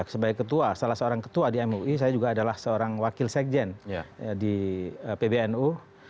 sebagai ketua salah seorang ketua di mui saya juga adalah seorang wakil sekjen di pbnu